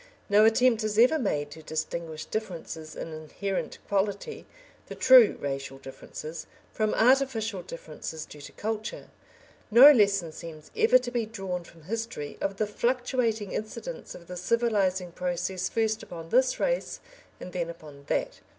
No attempt is ever made to distinguish differences in inherent quality the true racial differences from artificial differences due to culture. No lesson seems ever to be drawn from history of the fluctuating incidence of the civilising process first upon this race and then upon that.